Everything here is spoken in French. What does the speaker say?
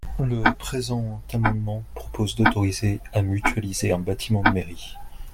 Le présent amendement propose d’autoriser à mutualiser un bâtiment de mairie.